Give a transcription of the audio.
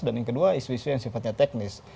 dan yang kedua isu isu yang sifatnya teknis